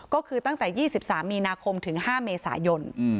ก็คือตั้งแต่๒๓มีนาคมถึง๕เมษายน